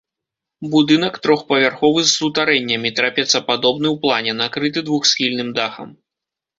Будынак трохпавярховы з сутарэннямі, трапецападобны ў плане, накрыты двухсхільным дахам.